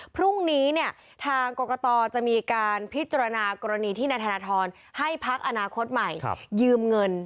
พรุ่งนี้เนี่ยทางกรกตจะมีการพิจารณากรณีที่นายธนทรให้พักอนาคตใหม่ยืมเงิน